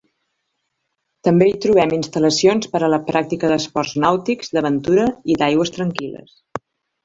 També hi trobem instal·lacions per a la pràctica d'esports nàutics, d'aventura i d'aigües tranquil·les.